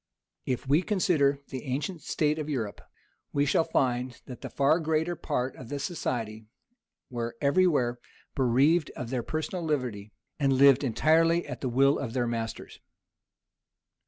If we consider the ancient state of Europe, we shall find, that the far greater part of the society were every where bereaved of their personal liberty, and lived entirely at the will of their masters.